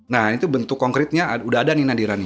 nah itu bentuk konkretnya udah ada nih nadira nih